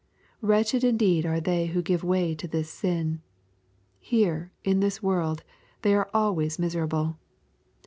Wretched indeed are they who give way to this sin. Here, in this world, they are always miserable.